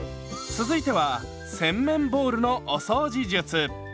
続いては洗面ボウルのお掃除術。